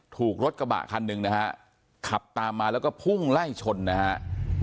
ถูกรถกระบะคันหนึ่งนะฮะขับตามมาแล้วก็พุ่งไล่ชนนะฮะ